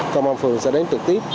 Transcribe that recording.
công an phường sẽ đến trực tiếp